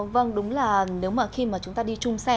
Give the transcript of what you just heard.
vâng đúng là nếu mà khi mà chúng ta đi chung xe